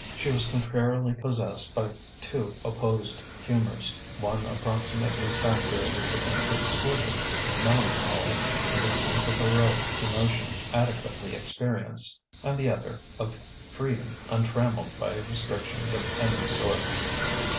She was contrarily possessed by two opposed humours: one approximately saturated with an exquisite melancholy and a sense of heroic emotions adequately experienced; and the other, of freedom untrammelled by restrictions of any sort.